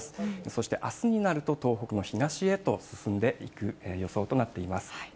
そして、あすになると東北の東へと進んでいく予想となっています。